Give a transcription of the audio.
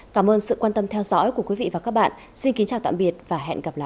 cảm ơn sự quan tâm theo dõi của quý vị và các bạn xin kính chào tạm biệt và hẹn gặp lại